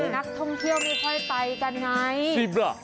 นักท่องเที่ยวไม่ค่อยไปกันไง